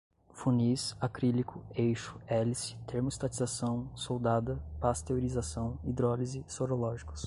funis, acrílico, eixo, hélice, termostatização, soldada, pasteurização, hidrólise, sorológicos